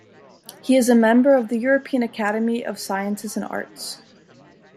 He is a member of the European Academy of Sciences and Arts.